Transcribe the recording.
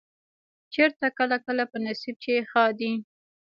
چرته کله کله په نصيب چې ښادي